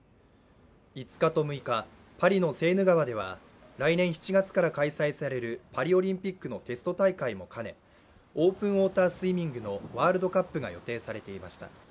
５日と６日、パリのセーヌ川では来年７月から開催されるパリオリンピックのテスト大会も兼ねオープンウォータースイミングのワールドカップが予定されていました。